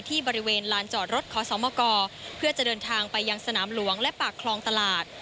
ที่บริเวณลานจอดรถขอสมกเพื่อจะเดินทางไปยังสนามหลวงและปากคลองตลาด